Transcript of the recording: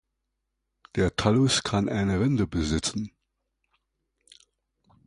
Der Thallus kann eine Rinde besitzen.